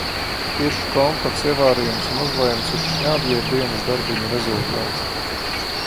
Ķiršu kompots, ievārījums un uzlējums uz šnabja ir dienas darbiņu rezultāts.